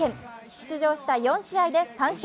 出場した４試合で３勝。